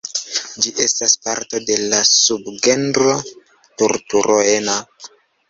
Ĝi estas parto de la subgenro "Turturoena".